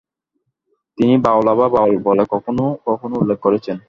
তিনি 'বাউলা' বা 'বাউল' বলে কখনো কখনো উল্লেখ করেছেন।